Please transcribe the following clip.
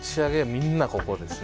みんなここですね